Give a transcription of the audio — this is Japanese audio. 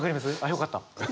よかった。